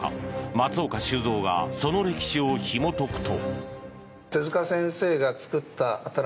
松岡修造がその歴史をひもとくと。